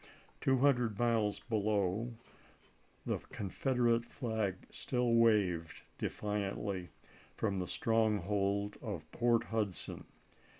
Two hundred miles below, the Confederate flag still waved defiantly from the stronghold of Port Hudson.